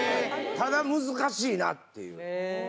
ただ難しいなっていう。